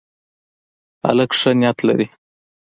هلک ښه نیت لري.